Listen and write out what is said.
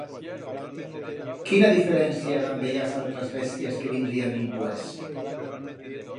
Quina diferencia dan bellas altras bestias que vinrían dimpués!